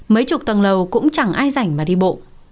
mấy chục tầng lầu cũng chẳng ai rảnh mà đi bộ